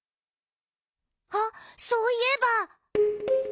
あっそういえば。